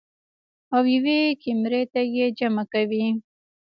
او يوې کمرې ته ئې جمع کوي -